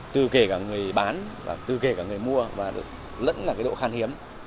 tư kể cả người bán và tư kể cả người mua và lẫn là cái độ khan hiếm